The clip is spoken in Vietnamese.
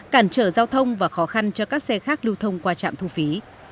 cản trở giao thông và khó khăn cho các xe khác lưu thông qua trạm thu phí